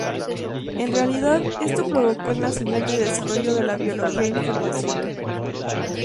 En realidad, esto provocó el nacimiento y desarrollo de la biología información.